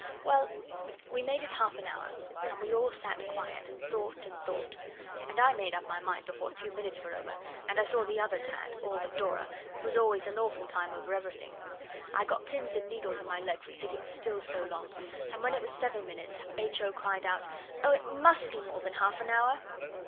Well, we made it half an hour and we all sat quiet, and thought and thought. And I made up my mind before two minutes were over, and I saw the others had, all but Dora, who is always an awful time over everything. I got pins and needles in my leg from sitting still so long, and when it was seven minutes H. O. cried out 'Oh, it must be more than half an hour!